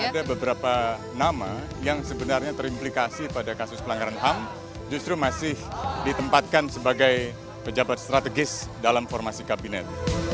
ada beberapa nama yang sebenarnya terimplikasi pada kasus pelanggaran ham justru masih ditempatkan sebagai pejabat strategis dalam formasi kabinet